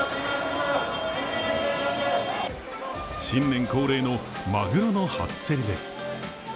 新年恒例のマグロの初競りです。